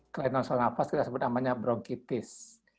kainan seluruh nafas kita sebut namanya bronkitis